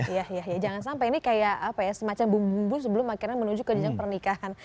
iya jangan sampai ini kayak semacam bumbu bumbu sebelum akhirnya menuju ke jenjang pernikahan